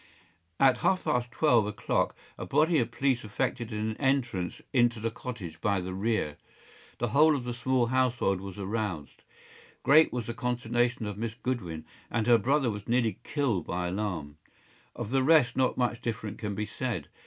About half past twelve o’clock a body of police effected an entrance into the cottage by the rear. The whole of the small household was aroused. Great was the consternation of Miss Goodwin, and her brother was nearly killed by alarm. Of the rest not much different can be said.